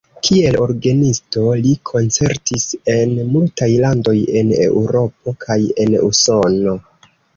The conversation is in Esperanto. Kiel orgenisto li koncertis en multaj landoj en Eŭropo kaj en Usono.